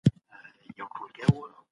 چي اسیا ته راورسید.